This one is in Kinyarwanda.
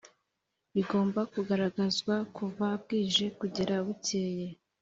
bigomba kugaragazwa kuva bwije kugera bukeye